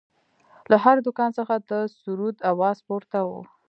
له هر دوکان څخه د سروذ اواز پورته و.